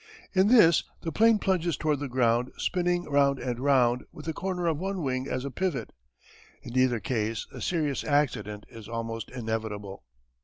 In this the plane plunges toward the ground spinning round and round with the corner of one wing as a pivot. In either case a serious accident is almost inevitable.